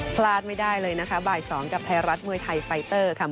พลาดไม่ได้เลยนะคะบ่าย๒กับไทยรัฐมวยไทยไฟเตอร์ค่ะ